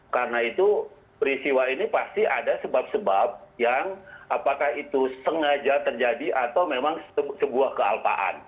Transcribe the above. karena itu peristiwa ini pasti ada sebab sebab yang apakah itu sengaja terjadi atau memang sebuah kealpaan